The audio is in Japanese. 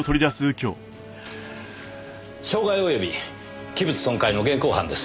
傷害及び器物損壊の現行犯です。